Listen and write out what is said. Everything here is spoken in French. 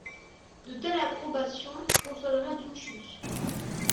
De telles approbations consoleraient d’une chute.